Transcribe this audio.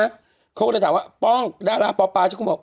เขาก็เลยถามว่าป้องดาราปอปาฉันคงบอก